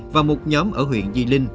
và một nhóm ở huyện di linh